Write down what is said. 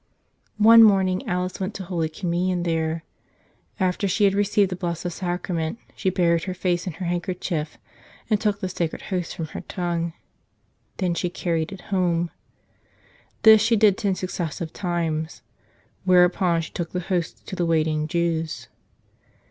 One morning Alice went to Holy Communion there. After she had received the Blessed Sacrament she buried her face in her handkerchief and took the sacred Host from her tongue. Then she carried it home. This she did ten successive times, whereupon she took the Hosts to the waiting Jews.